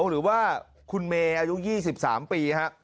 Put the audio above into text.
หรือว่าคุณเมย์อายุ๒๓ปีฮะ